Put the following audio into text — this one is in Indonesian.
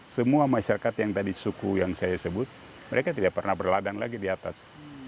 semua masyarakat yang tadi suku yang saya sebut mereka tidak pernah berladang lagi di atas